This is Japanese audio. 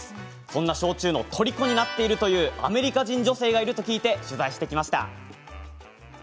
そんな焼酎のとりこになっているというアメリカ人女性がいると聞いて取材してきました。